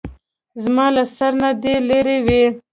زما له سر نه دې لېرې وي.